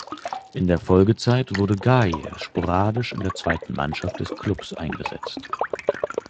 In der Folgezeit wurde Gaye sporadisch in der zweiten Mannschaft des Klubs eingesetzt.